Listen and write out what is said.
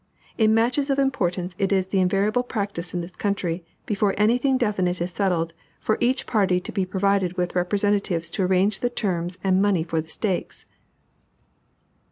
In matches of importance it is the invariable practice in this country, before any thing definite is settled, for each party to be provided with representatives to arrange the terms and money for the stakes.